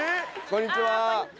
こんにちは。